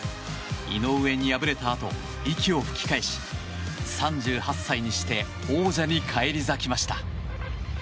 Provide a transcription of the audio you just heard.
井上に敗れたあと息を吹き返し、３８歳にして王者に返り咲きました。